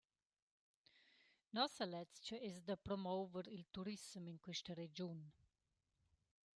Nossa lezcha es da promouver il turissem in quista regiun.